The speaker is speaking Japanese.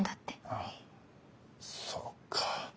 あそうか。